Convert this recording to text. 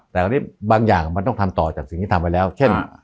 แต่ซะเนี้ยบางอย่างมันต้องทำต่อจากสิ่งที่ทำไว้แล้วเช่นสมมุติเอาละครับ